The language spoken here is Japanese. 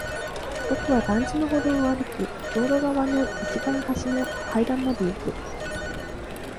僕は団地の歩道を歩き、道路側の一番端の階段まで行く。